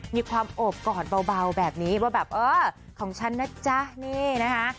มีความโอบกอดเบาแบบนี้ว่าแบบเออของฉันนะจ๊ะนี่นะคะ